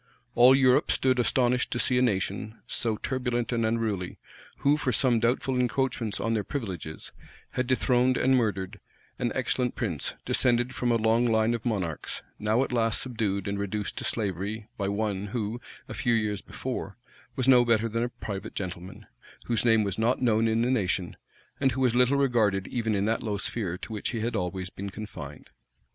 All Europe stood astonished to see a nation, so turbulent and unruly, who, for some doubtful encroachments on their privileges, had dethroned and murdered an excellent prince, descended from a long line of monarchs, now at last subdued and reduced to slavery by one who, a few years before, was no better than a private gentleman, whose name was not known in the nation, and who was little regarded even in that low sphere to which he had always been confined.